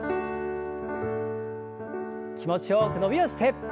気持ちよく伸びをして。